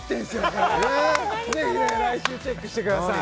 これえーぜひね来週チェックしてください